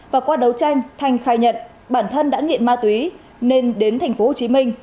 và qua đấu tranh thành khai nhận bản thân đã nghiện ma túy nên đến thành phố hồ chí minh